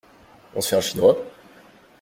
On se fait un chinois?